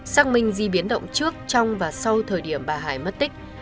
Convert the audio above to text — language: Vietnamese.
xác minh di biến động trước trong và sau thời điểm bà hải mất tích